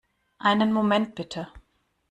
Einen Moment, bitte.